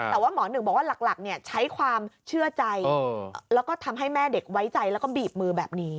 แต่ว่าหมอหนึ่งบอกว่าหลักใช้ความเชื่อใจแล้วก็ทำให้แม่เด็กไว้ใจแล้วก็บีบมือแบบนี้